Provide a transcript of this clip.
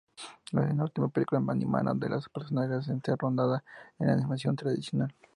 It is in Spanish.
Es la última película animada de los personajes en ser rodada en animación tradicional.